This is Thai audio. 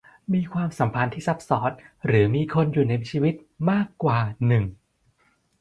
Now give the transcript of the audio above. มีความสัมพันธ์ที่ซับซ้อนหรือมีคนอยู่ในชีวิตมากกว่าหนึ่ง